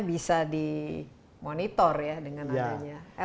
bisa di monitor ya dengan adanya